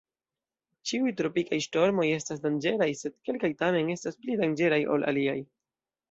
Ĉiuj tropikaj ŝtormoj estas danĝeraj, sed kelkaj tamen estas pli danĝeraj ol aliaj.